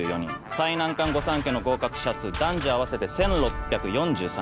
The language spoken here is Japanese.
最難関御三家の合格者数男女合わせて１６４３人。